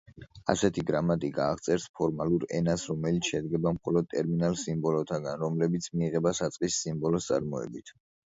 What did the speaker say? ასეთი გრამატიკა აღწერს ფორმალურ ენას, რომელიც შედგება მხოლოდ ტერმინალ–სიმბოლოთაგან, რომლებიც მიიღება საწყისი სიმბოლოს წარმოებით.